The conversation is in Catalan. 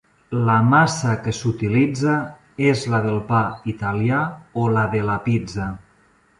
La massa que s'utilitza és la del pa italià o la de la pizza.